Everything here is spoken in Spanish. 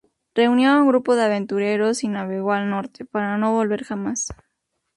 Reunió a un grupo de aventureros y navegó al norte, para no volver jamás.